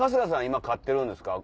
今飼ってるんですか？